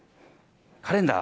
カレンダー？